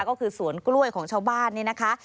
ก็คือสวนกล้วยของชาวบ้านนี่นะคะ